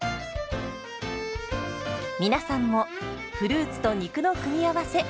皆さんもフルーツと肉の組み合わせ